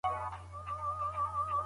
مختلف مزاجونه، غوښتني، هدفونه او درک لري.